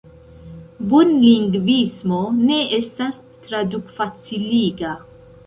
Bonlingvismo ne estas traduk-faciliga.